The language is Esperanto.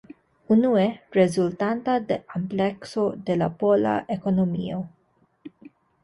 Unue: rezultanta de amplekso de la pola ekonomio.